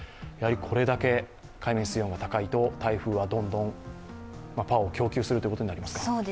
これだけ海面水温が高いと、台風はどんどんパワーを供給することになりますか？